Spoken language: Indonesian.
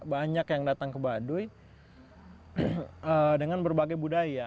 banyak yang datang ke baduy dengan berbagai budaya